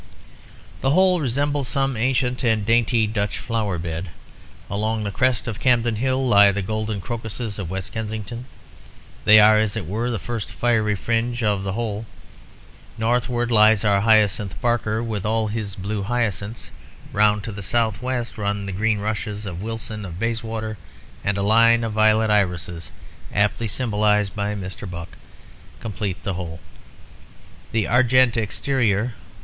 "The whole resembles some ancient and dainty Dutch flower bed. Along the crest of Campden Hill lie the golden crocuses of West Kensington. They are, as it were, the first fiery fringe of the whole. Northward lies our hyacinth Barker, with all his blue hyacinths. Round to the south west run the green rushes of Wilson of Bayswater, and a line of violet irises (aptly symbolised by Mr. Buck) complete the whole. The argent exterior